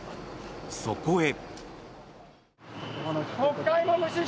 そこへ。